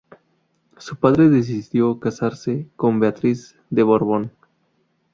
Su padre decidió casarse con Beatriz de Borbón.